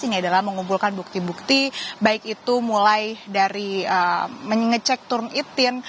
ini adalah mengumpulkan bukti bukti baik itu mulai dari mengecek turun itin